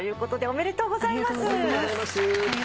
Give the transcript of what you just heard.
ありがとうございます。